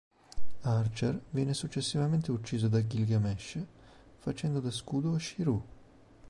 Archer viene successivamente ucciso da Gilgamesh facendo da scudo a Shirou.